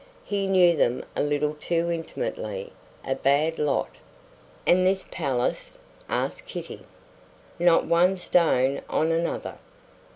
He knew them a little too intimately. A bad lot." "And this palace?" asked Kitty. "Not one stone on another.